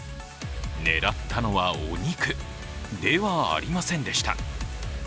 狙ったのはお肉ではありませんでした。